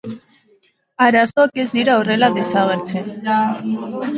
Arazoak ez dira horrela desagertzen.